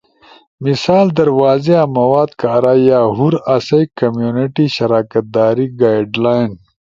مثال در واضح مواد کارا یا ہور آسئی کمیونٹی شراکت داری گائیڈلائن